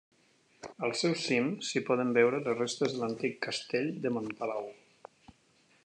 Al seu cim s'hi poden veure les restes de l'antic castell de Montpalau.